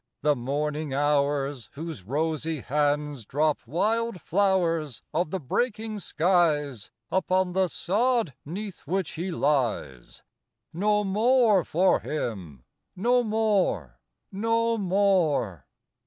The Morning Hours, whose rosy hands Drop wild flowers of the breaking skies Upon the sod 'neath which he lies. No more for him! No more! no more!